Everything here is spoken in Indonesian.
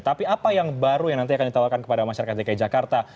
tapi apa yang baru yang nanti akan ditawarkan kepada masyarakat dki jakarta